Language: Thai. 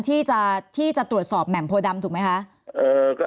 ที่จะตรวจสอบแหม่มโพดำถูกไหมคะ